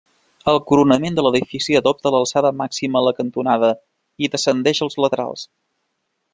El coronament de l'edifici adopta l'alçada màxima a la cantonada i descendeix als laterals.